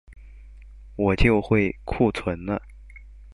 我就會庫存了